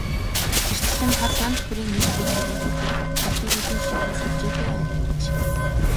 Тэрчлэн хот янз бүрийн иж бүрдэл нийлүүлдэг үйлдвэрүүдийн шигүү сүлжээтэй аж.